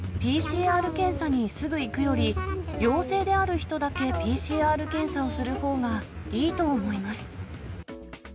ＰＣＲ検査にすぐ行くより、陽性である人だけＰＣＲ検査をするほうがいいと思います。